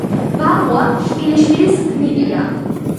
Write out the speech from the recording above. ბაბუა შვილიშვილის გმირია